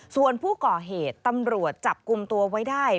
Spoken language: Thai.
ส่วนผู้ก่อเหตุตำรวจจับกลุ่มตัวไว้ได้